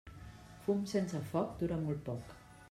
Fum sense foc dura molt poc.